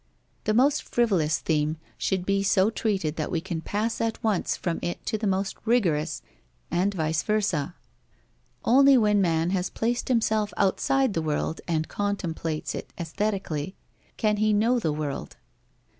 The most frivolous theme should be so treated that we can pass at once from it to the most rigorous, and vice versa. Only when man has placed himself outside the world and contemplates it aesthetically, can he know the world.